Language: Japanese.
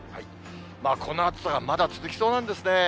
この暑さがまだ続きそうなんですね。